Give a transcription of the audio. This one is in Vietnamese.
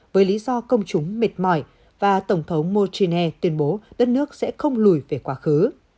với lý do công chúng mệt mỏi và tổng thống mô chí nè tuyên bố đất nước sẽ không lùi về quá khứ